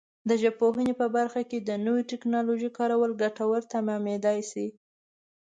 د ژبپوهنې په برخه کې د نویو ټکنالوژیو کارول ګټور تمامېدای شي.